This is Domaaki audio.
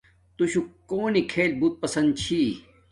تو شوہ کونی کیھل بوت پسند چھی